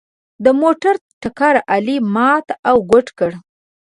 د موټر ټکر علي مات او ګوډ کړ.